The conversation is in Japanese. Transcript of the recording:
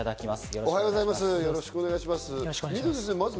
よろしくお願いします。